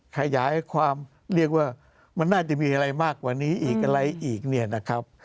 ขยายความเรียกว่ามันน่าจะมีอะไรมากกว่านี้อีกอะไรอีก